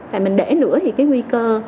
và mình để nữa thì cái nguy cơ